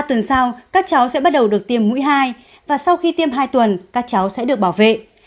ba tuần sau các cháu sẽ bắt đầu được tiêm mũi hai và sau khi tiêm hai tuần các cháu sẽ được bảo vệ